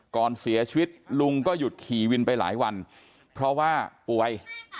ก่อนเสียชีวิตลุงก็หยุดขี่วินไปหลายวันเพราะว่าป่วย